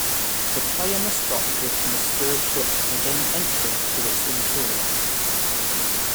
The player must dock with the mysterious ship and gain entry to its interior.